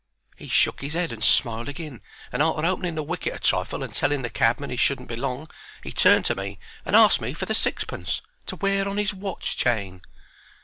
He shook his 'ead and smiled agin, and, arter opening the wicket a trifle and telling the cabman he shouldn't be long, he turned to me and asked me for the sixpence, to wear on his watch chain.